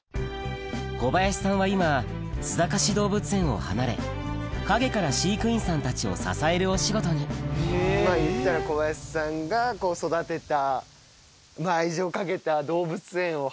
小林さんは今須坂市動物園を離れ陰から飼育員さんたちを支えるお仕事にいったら小林さんが育てた。